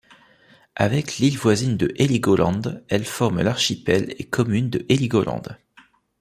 Avec l'île voisine de Heligoland, elle forme l'archipel et commune de Heligoland.